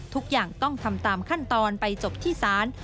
ทุกอย่างต้องทำตามขั้นตอนไปจบที่ศาล